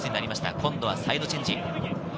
今度はサイドチェンジ。